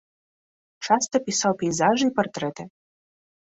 Часта пісаў пейзажы і партрэты.